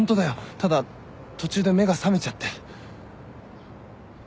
ただ途中で目が覚めちゃって。